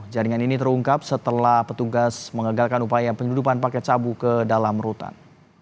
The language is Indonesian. jaringan ini terungkap setelah petugas mengagalkan upaya penyeludupan paket sabu ke dalam rutan